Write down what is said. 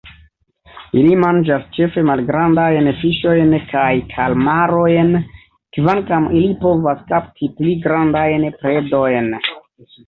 Ili manĝas ĉefe malgrandajn fiŝojn kaj kalmarojn, kvankam ili povas kapti pli grandajn predojn.